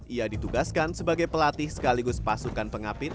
ia ditugaskan sebagai pelatih sekaligus pasukan pengapit